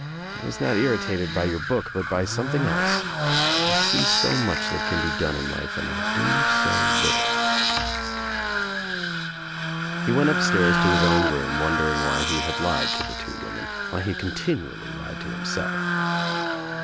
I was not irritated by your book but by something else. I see so much that can be done in life and I do so little." He went upstairs to his own room wondering why he had lied to the two women, why he continually lied to himself.